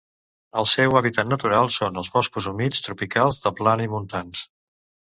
El seu hàbitat natural són els boscos humits tropicals de plana i montans.